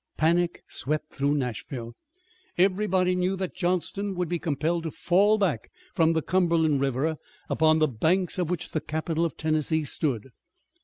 Panic swept through Nashville. Everybody knew that Johnston would be compelled to fall back from the Cumberland River, upon the banks of which the capital of Tennessee stood.